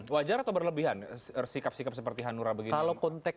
wajar atau berlebihan sikap sikap seperti hanura begini